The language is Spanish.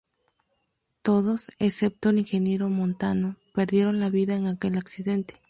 Todos, excepto el Ing. Montano, perdieron la vida en aquel accidente.